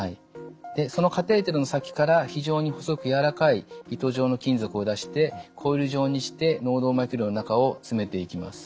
そのカテーテルの先から非常に細く柔らかい糸状の金属を出してコイル状にして脳動脈瘤の中を詰めていきます。